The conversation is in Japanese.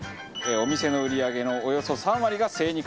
お店の売り上げのおよそ３割が精肉。